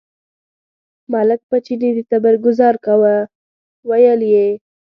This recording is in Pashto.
ملک په چیني د تبر ګوزار کاوه، ویل یې.